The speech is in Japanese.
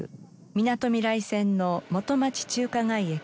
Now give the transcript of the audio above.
みなとみらい線の元町・中華街駅。